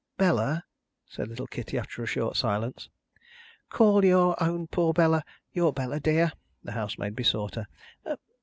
"Bella," said little Kitty, after a short silence. "Call your own poor Bella, your Bella, dear," the housemaid besought her.